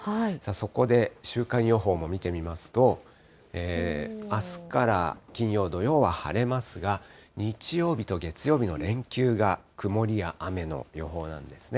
そこで週間予報も見てみますと、あすから金曜、土曜は晴れますが、日曜日と月曜日の連休が曇りや雨の予報なんですね。